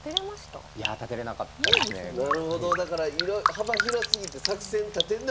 なるほどだから幅広すぎて作戦立てんのも大変。